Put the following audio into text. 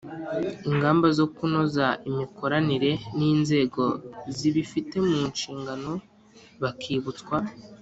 ingamba zo kunoza imikoranire n inzego zibifite mu nshingano bakibutswa